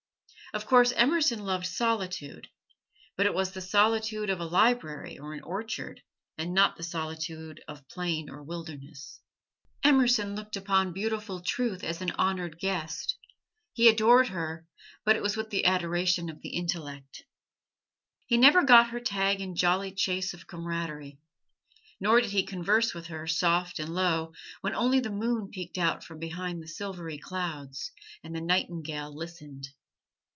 Of course, Emerson loved solitude, but it was the solitude of a library or an orchard, and not the solitude of plain or wilderness. Emerson looked upon Beautiful Truth as an honored guest. He adored her, but it was with the adoration of the intellect. He never got her tag in jolly chase of comradery; nor did he converse with her, soft and low, when only the moon peeked out from behind the silvery clouds, and the nightingale listened.